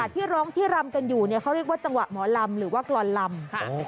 ที่ร้องที่รำกันอยู่เขาเรียกว่าจังหวะหมอลำหรือว่ากรอนลำ